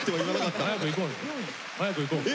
早く行こう。え！